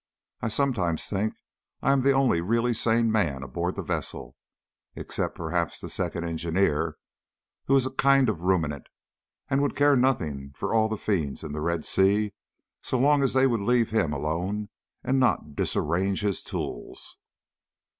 I sometimes think I am the only really sane man aboard the vessel except perhaps the second engineer, who is a kind of ruminant, and would care nothing for all the fiends in the Red Sea so long as they would leave him alone and not disarrange his tools.